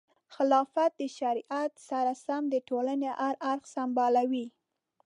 خلافت د شریعت سره سم د ټولنې هر اړخ سمبالوي.